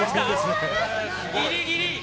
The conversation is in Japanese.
ギリギリ！